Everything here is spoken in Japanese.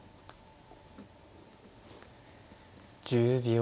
１０秒。